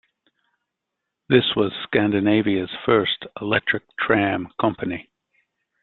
This was Scandinavias first electric tram company.